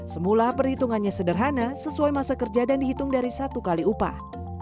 semula perhitungannya sederhana sesuai masa kerja dan dihitung dari satu kali upah